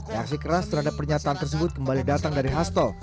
reaksi keras terhadap pernyataan tersebut kembali datang dari hasto